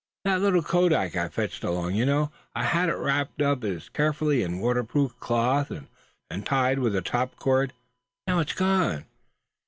"That little kodak I fetched along; you know I had it wrapped so carefully in a waterproof cloth, and tied with top cord. Now it's gone!